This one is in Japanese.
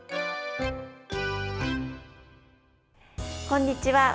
こんにちは。